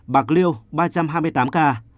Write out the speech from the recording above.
bạc liêu ba trăm hai mươi tám ca